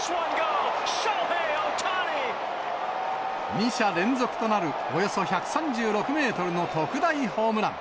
２者連続となるおよそ１３６メートルの特大ホームラン。